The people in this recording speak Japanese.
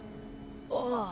ああ。